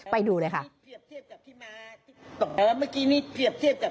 ไปดูเลยค่ะ